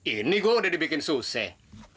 ini gue udah dibikin susah